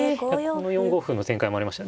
この４五歩の展開もありました。